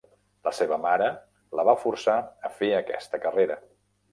La seva mare la va forçar a fer aquesta carrera.